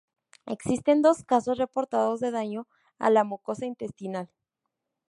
Existen dos casos reportados de daño a la mucosa intestinal.